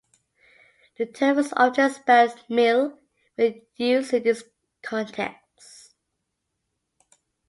The term is often spelled "mil" when used in this context.